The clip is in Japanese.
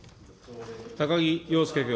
高木陽介君。